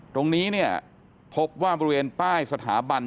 ตรงนี้เนี่ยพบว่าบริเวณป้ายสถาบัน